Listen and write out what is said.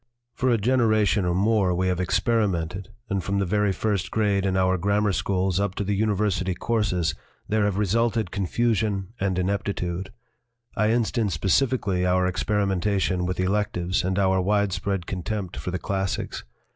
For a generation or more we have experimented, and from the very first grade in our grammar schools up to the university courses there have resulted confusion and in eptitude. I instance specifically our experimen tation with electives and our widespread contempt for the classics.